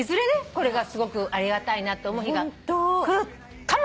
これがすごくありがたいなと思う日が来るかも。